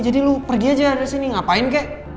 jadi lo pergi aja dari sini ngapain kek